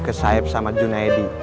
ke sayap sama junaedi